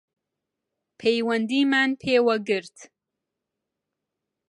پەیوەندیمان پێوە گرت